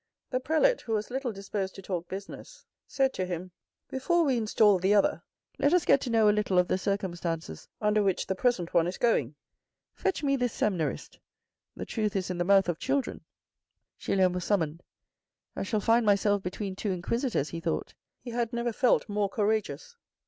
The prelate, who was little disposed to talk business, said to him. " Before we install the other, let us get to know a little of the circumstances under which the present one is going. Fetch me this seminarist. The truth is in the mouth of children." Julien was summoned. " I shall find myself between two inquisitors," he thought. He had never felt more courageous.